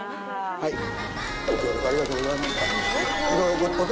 はい。